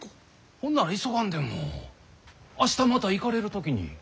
ほんなら急がんでも明日また行かれる時に。